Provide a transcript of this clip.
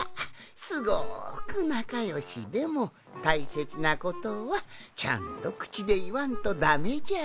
すごくなかよしでもたいせつなことはちゃんとくちでいわんとダメじゃな。